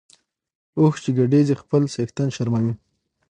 اوښ چی ګډیږي خپل څښتن شرموي .